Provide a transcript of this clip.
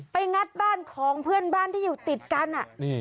งัดบ้านของเพื่อนบ้านที่อยู่ติดกัน